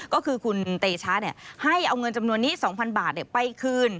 ก็คือคุณเตชะให้เอาเงินจำนวนนี้๒๐๐บาทไปคืน